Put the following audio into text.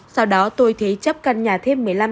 sau đó tôi thế chấp căn nhà thêm một mươi năm tỷ nữa để mua lan